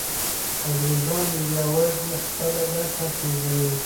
انګریزان یوازې خپله ګټه پیژني.